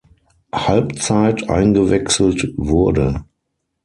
Halbzeit eingewechselt wurde.